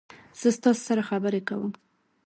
زه تاسو سره خبرې کوم.